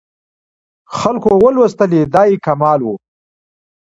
خلکو ولوستلې دا یې کمال و.